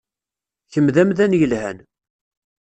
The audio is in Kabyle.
Kemm d amdan yelhan.